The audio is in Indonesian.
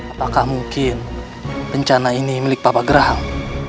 apakah mungkin rencana ini milik papa gerahang